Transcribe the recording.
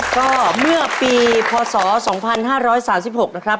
ก็เมื่อปีพศ๒๕๓๖นะครับ